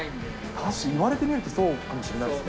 確かに言われてみるとそうかもしれないですね。